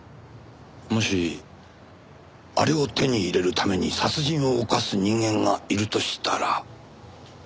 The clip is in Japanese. もしあれを手に入れるために殺人を犯す人間がいるとしたら。